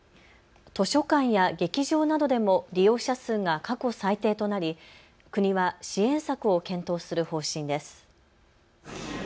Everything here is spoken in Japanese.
図書館や劇場などでも利用者数が過去最低となり国は支援策を検討する方針です。